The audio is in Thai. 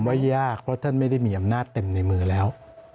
ว่ายากเพราะท่านไม่ได้มีอำนาจเต็มในมือแล้ว